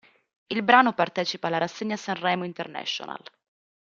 Il brano partecipa alla rassegna Sanremo International.